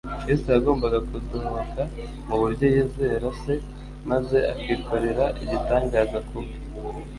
Kristo yagombaga kudohoka mu buryo yizera Se, maze akikorera igitangaza ku bwe.